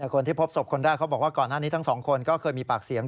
คนที่พบศพคนแรกเขาบอกว่าก่อนหน้านี้ทั้งสองคนก็เคยมีปากเสียง